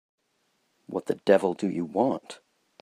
What the devil do you want?